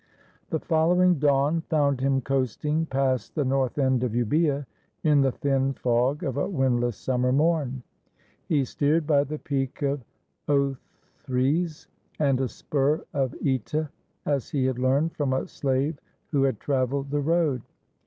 The following dawn found him coasting past the north end of Euboea, in the thin fog of a windless sum mer morn. He steered by the peak of Othrys and a spur of (Eta, as he had learned from a slave who had traveled the road.